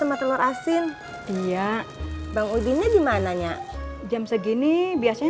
mabuk kalau keras ingredients'nya demikian roku ya kayaknya